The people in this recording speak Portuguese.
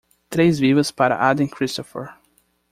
Três vivas para Aden Christopher.